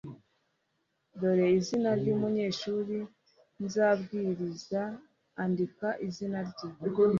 Dore izina ry umunyeshuri nzabwiriza andika izina rye